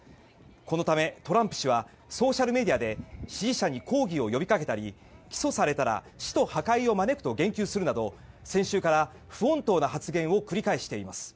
このためトランプ氏はソーシャルメディアで支持者に抗議を呼びかけたり起訴されたら死と破壊を招くと言及するなど先週から不穏当な発言を繰り返しています。